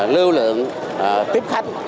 lưu lượng tiếp khách